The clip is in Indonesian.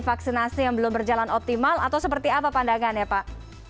vaksinasi yang belum berjalan optimal atau seperti apa pandangannya pak